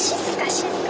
静か。